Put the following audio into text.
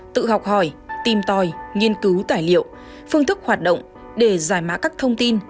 tự học hỏi tìm tòi nghiên cứu tài liệu phương thức hoạt động để giải mã các thông tin